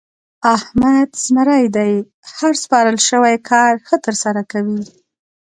احمد زمری دی؛ هر سپارل شوی کار ښه ترسره کوي.